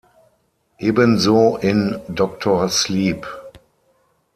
Ebenso in Doctor Sleep.